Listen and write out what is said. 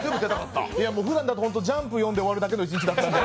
ふだんだと「ジャンプ」読んで終わるだけの一日だったんで。